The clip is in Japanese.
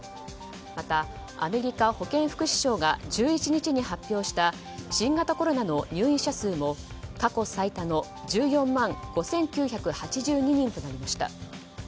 また、アメリカ保健福祉省が１１日に発表した新型コロナの入院者数も過去最多の１４万５９８２人となりました。